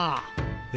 え？